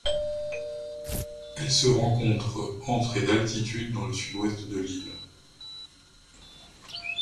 Elle se rencontre entre et d'altitude dans le sud-ouest de l'île.